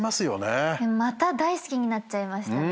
また大好きになっちゃいましたね。